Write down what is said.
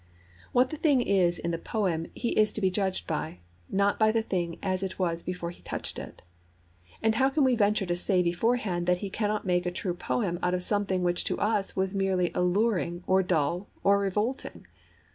What the thing is in the poem he is to be judged by, not by the thing as it was before he touched it; and how can we venture to say beforehand that he cannot make a true poem out of something which to us was merely alluring or dull or revolting?